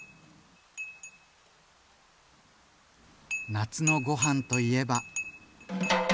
夏のご飯といえば。